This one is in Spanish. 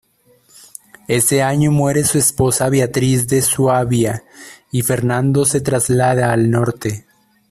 Ese año muere su esposa Beatriz de Suabia y Fernando se traslada al norte.